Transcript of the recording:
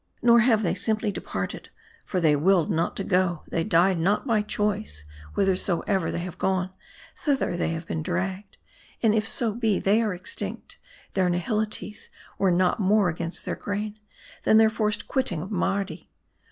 Nor have they simply departed ; for they willed not to go ; they died not' by choice ; whithersoever they have gone, thither have they been dragged ; and if so be, they are extinct, their nihilities went not more against their grain, than their forced quitting of. Mardi.